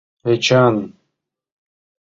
— Эчан!